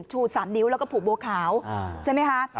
ชู๓นิ้วแล้วก็ผูกบัวขาวใช่ไหมคะ